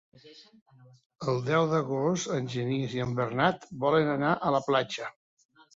El deu d'agost en Genís i en Bernat volen anar a la platja.